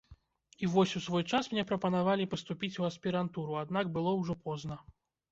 І вось, у свой час мне прапанавалі паступіць у аспірантуру, аднак было ўжо позна.